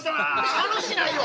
楽しないわ！